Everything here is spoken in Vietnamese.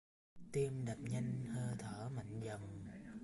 Tim đập nhanh hơi thở mạnh Dần